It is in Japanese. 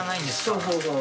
そうそうそう。